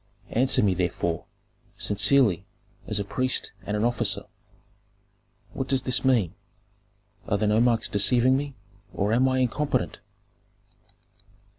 "Answer me, therefore, sincerely, as a priest and an officer: What does this mean? Are the nomarchs deceiving me, or am I incompetent?"